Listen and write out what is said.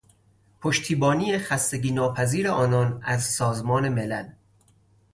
پشتیبانی خستگی ناپذیر آنان از سازمان ملل